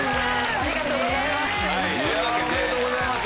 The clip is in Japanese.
ありがとうございます。